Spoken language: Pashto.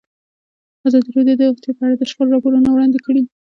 ازادي راډیو د روغتیا په اړه د شخړو راپورونه وړاندې کړي.